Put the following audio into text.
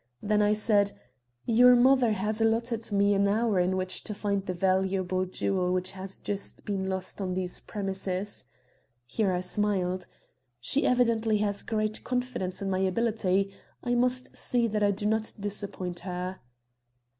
Then I said: "Your mother has allotted me an hour in which to find the valuable jewel which has just been lost on these premises." Here I smiled. "She evidently has great confidence in my ability. I must see that I do not disappoint her."